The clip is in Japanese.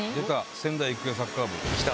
仙台育英サッカー部。